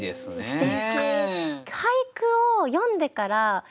すてき！